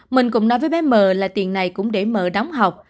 mình cũng nói với bé m là tiền này cũng để m đóng học